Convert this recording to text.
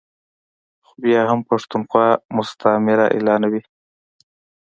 خو بیا هم پښتونخوا مستعمره اعلانوي ا